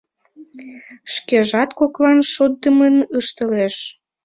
Шкежат коклан шотдымын ыштылеш.